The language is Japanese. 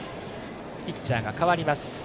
ピッチャーが代わります。